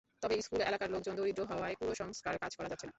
তবে স্কুল এলাকার লোকজন দরিদ্র হওয়ায় পুরো সংস্কারকাজ করা যাচ্ছে না।